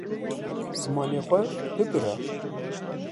Zimanê xwe bibire.